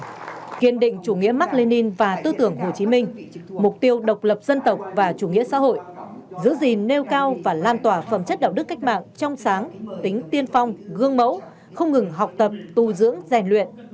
đồng chí nguyễn phú trọng kiên định chủ nghĩa mạc lê ninh và tư tưởng hồ chí minh mục tiêu độc lập dân tộc và chủ nghĩa xã hội giữ gìn nêu cao và lan tỏa phẩm chất đạo đức cách mạng trong sáng tính tiên phong gương mẫu không ngừng học tập tu dưỡng rèn luyện